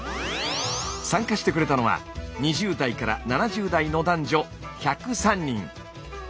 参加してくれたのは２０代から７０代の男女１０３人。